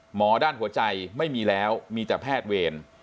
หมอด้านหัวใจไม่มีแล้วมีแต่แพทย์เวร